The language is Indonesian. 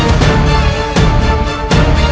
menjebutmu sebagai pertama